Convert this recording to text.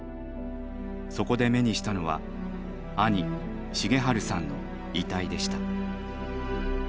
そこで目にしたのは兄重治さんの遺体でした。